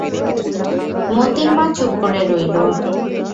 মোতির মা চুপ করে রইল।